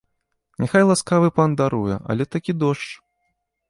Няхай ласкавы пан даруе, але такі дождж.